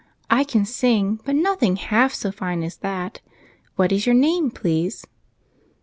I can sing, but nothing half 80 fine as that. What is your name, please